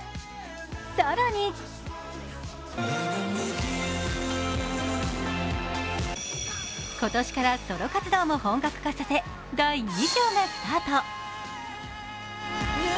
更に今年からソロ活動も本格化させ第２章がスタート。